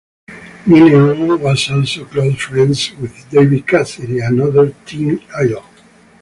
Mineo was also close friends with David Cassidy, another teen idol.